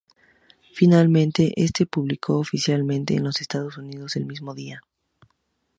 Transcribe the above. Finalmente, este se publicó oficialmente en los Estados Unidos el mismo día.